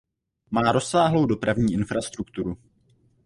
Má rozsáhlou dopravní infrastrukturu.